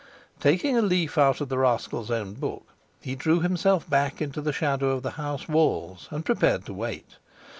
Taking a leaf out of the rascal's own book, he drew himself back into the shadow of the house walls and prepared to wait.